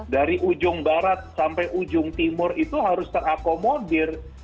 dari ujung barat sampai ujung timur itu harus terakomodir